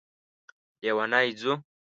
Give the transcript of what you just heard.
لیونی ځو